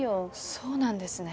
そうなんですね。